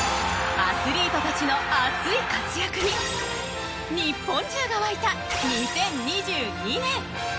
アスリートたちの熱い活躍に日本中が沸いた２０２２年。